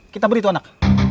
kita beri tuh anak